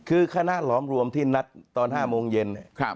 คือคณะหลอมรวมที่นัดตอน๕โมงเย็นเนี่ย